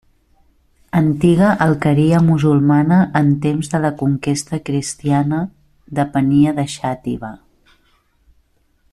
Antiga alqueria musulmana, en temps de la conquesta cristiana depenia de Xàtiva.